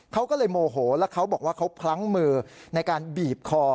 เขาก็เลยโมโหแล้วเขาบอกว่าเขาพลั้งมือในการบีบคอ